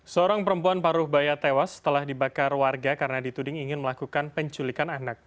seorang perempuan paruh baya tewas setelah dibakar warga karena dituding ingin melakukan penculikan anak